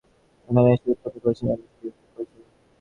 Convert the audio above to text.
এখানে এসে উৎপাত করে কাস্টোমারদের বিরক্ত করছিস।